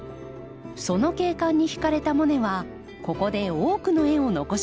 その景観に惹かれたモネはここで多くの絵を残しました。